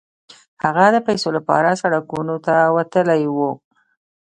هغه د پيسو لپاره سړکونو ته وتلی و.